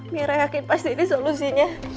mira yakin pasti ini solusinya